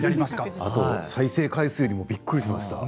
再生回数にもびっくりしました。